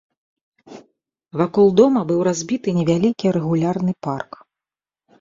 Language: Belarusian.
Вакол дома быў разбіты невялікі рэгулярны парк.